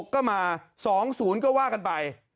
ก็มา๒๐ก็ว่ากันไป